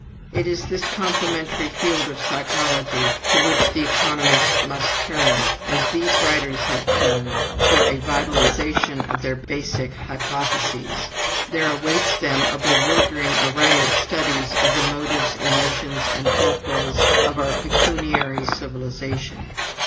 It is this complementary field of psychology to which the economists must turn, as these writers have turned, for a vitalization of their basic hypotheses. There awaits them a bewildering array of studies of the motives, emotions, and folkways of our pecuniary civilization.